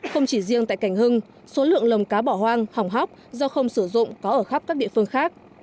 không chỉ riêng tại cảnh hưng số lượng lồng cá bỏ hoang hỏng hóc do không sử dụng có ở khắp các địa phương khác